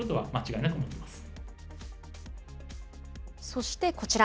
そしてこちら。